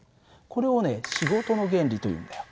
これをね仕事の原理というんだよ。